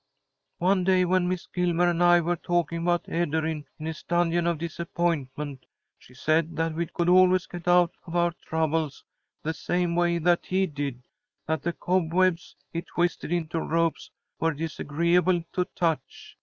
"One day, when Miss Gilmer and I were talking about Ederyn in his Dungeon of Disappointment, she said that we could always get out of our troubles the same way that he did; that the cobwebs he twisted into ropes were disagreeable to touch.